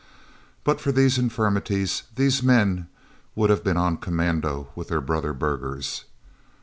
But for these infirmities these men would have been on commando with their brother burghers.